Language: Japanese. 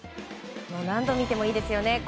何度見てもいいですね。